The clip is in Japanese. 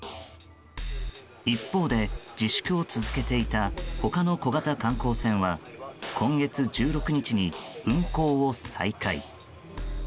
一方で、自粛を続けていた他の小型観光船は今月１６日に運航を再開。